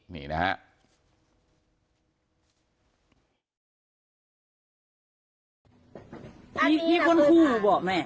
มีคนขู่หรือเปล่าแม่